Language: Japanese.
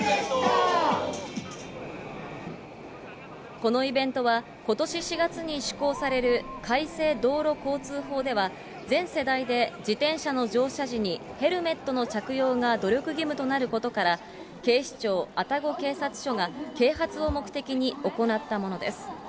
このイベントは、ことし４月に施行される改正道路交通法では、全世代で自転車の乗車時にヘルメットの着用が努力義務となることから、警視庁愛宕警察署が、啓発を目的に行ったものです。